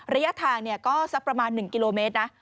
ระยะทางก็สักประมาณ๑กิโลเมตรนะ